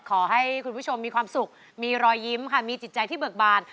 ขอให้คุณผู้ชมมีความสุขมีรอยยิ้มค่ะมีจิตใจที่เบิกบาน